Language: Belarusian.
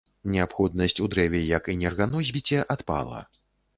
Неабходнасць у дрэве як энерганосьбіце адпала.